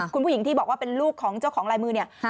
คุณผู้หญิงที่บอกว่าเป็นลูกของเจ้าของลายมือเนี่ย